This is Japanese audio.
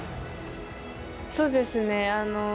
そうですね。